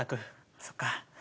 そっか。